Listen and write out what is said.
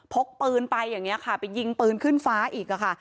กปืนไปอย่างนี้ค่ะไปยิงปืนขึ้นฟ้าอีกค่ะ